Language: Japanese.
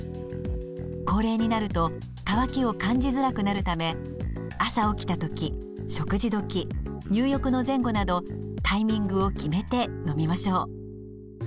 高齢になると渇きを感じづらくなるため朝起きた時食事時入浴の前後などタイミングを決めて飲みましょう。